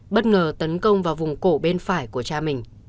bất ngờ tấn công vào vùng cổ bên phải của cha mình